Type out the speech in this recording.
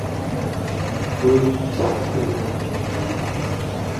E depois houve outra explosão...